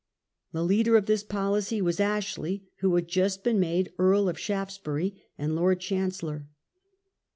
The leader of this policy was Ashley, who had just been made Earl of Shaftesbury and Lord Chancellor.